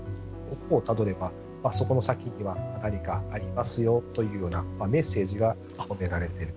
ここをたどれば、その先には何かありますよというようなメッセージが込められている。